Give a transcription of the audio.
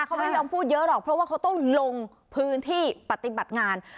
เขาไม่ยอมพูดเยอะหรอกเพราะว่าเขาต้องลงพื้นที่ปฏิบัติงาน